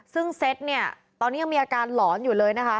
ซึ่งเซ็ตตอนนี้มีอาการหลอนอยู่เลย